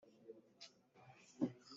Ka rian ah ka hna a ngam ko.